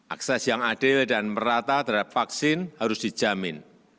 akses yang adil dan merata terhadap vaksin harus dijamin